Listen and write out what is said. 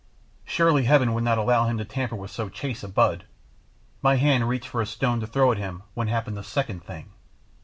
Surely Heaven would not allow him to tamper with so chaste a bud! My hand reached for a stone to throw at him when happened the second thing.